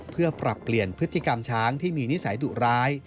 เพื่อปรับเปลี่ยนพฤติกรรมช้างที่มีนิสัยดุร้าย